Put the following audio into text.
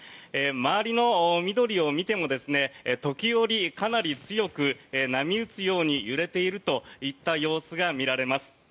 周りの緑を見ても時折、かなり強く波打つように揺れているといった様子が見られます。